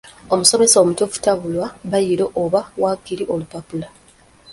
Omusomesa omutuufu tabulwa bbayiro oba waakiri olupapula.